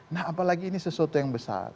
nah apalagi ini sesuatu yang besar